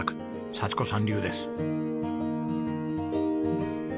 幸子さん流です。